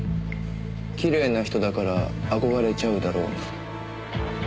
きれいな人だから憧れちゃうだろうな。